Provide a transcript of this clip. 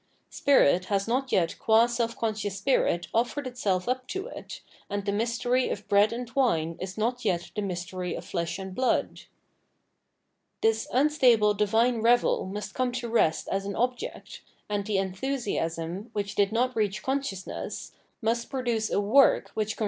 Spirit has not yet qm self conscious spirit oSered itself up to it, and the mystery of bread and wine is not yet the mystery of flesh and blood. This unstable divine revel must come to rest as an object, and the enthusiasm, which did not reach consciousness, must produce a work which confronts * As found in tlie mysteries of Demeter.